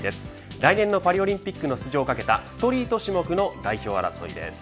来年のパリオリンピックの出場をかけたストリート種目の代表争いです。